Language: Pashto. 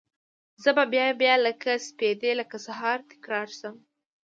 زه به بیا، بیا لکه سپیدې لکه سهار، تکرار شم